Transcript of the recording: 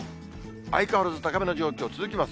相変わらず高めの状況、続きます。